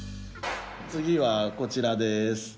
次はこちらです。